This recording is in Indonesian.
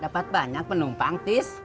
dapat banyak penumpang tis